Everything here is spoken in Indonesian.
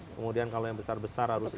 kemudian kalau yang besar besar harus